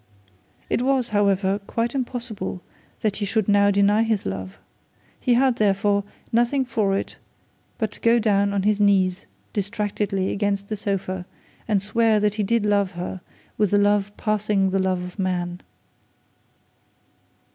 It was, however, quite impossible that he should now deny his love. He had, therefore, nothing for it, but to go down on his knees distractedly against the sofa, and swear that he did love her with a love passing the love of man.'